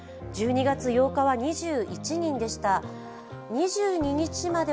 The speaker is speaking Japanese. １２月８日は２１人でした。